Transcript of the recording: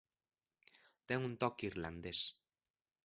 Ten un toque irlandés.